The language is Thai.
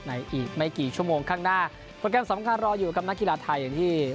อีกไม่กี่ชั่วโมงข้างหน้าโปรแกรมสำคัญรออยู่กับนักกีฬาไทยอย่างที่